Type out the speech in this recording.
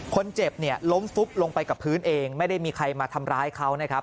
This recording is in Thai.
คนเจ็บล้มลงไปกับพื้นเองไม่ได้มีใครมาทำร้ายเขา